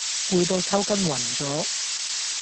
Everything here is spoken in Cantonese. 攰到抽筋暈咗